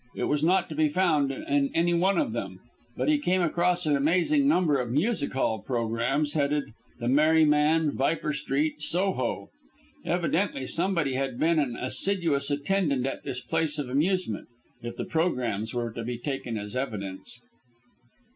It was not to be found in any one of them, but he came across an amazing number of music hall programmes, headed: "The Merryman, Viper Street, Soho." Evidently someone had been an assiduous attendant at this place of amusement, if the programmes were to be taken as evidence.